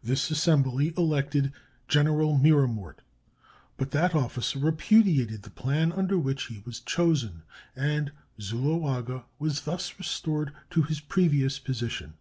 This assembly elected General Miramort, but that officer repudiated the plan under which he was chosen, and Zuloaga was thus restored to his previous position.